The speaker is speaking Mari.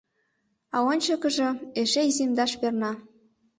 А ончыкыжо эше иземдаш перна.